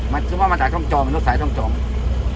ก็คือว่ามันอากาญจออกเหมือนทางหนี